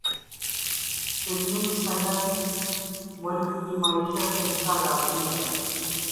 فلمی صنعت ملک کی معیشت میں حصہ ڈالتی ہے۔